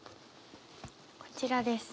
こちらです。